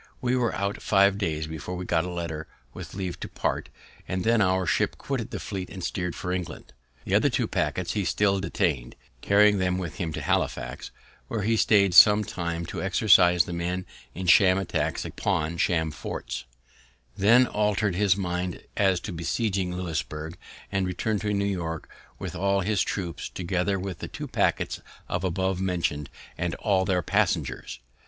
We were out five days before we got a letter with leave to part, and then our ship quitted the fleet and steered for England. The other two packets he still detained, carried them with him to Halifax, where he stayed some time to exercise the men in sham attacks upon sham forts, then altered his mind as to besieging Louisburg, and returned to New York, with all his troops, together with the two packets above mentioned, and all their passengers!